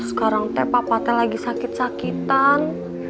sekarang teh papa teh lagi sakit sakitan